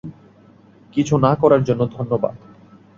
কিছু না করার জন্য ধন্যবাদ!